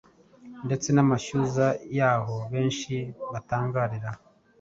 ndetse n’amashyuza yaho benshi batangarira.